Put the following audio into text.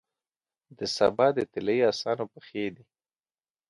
د سبا د طلایې اسانو پښې دی،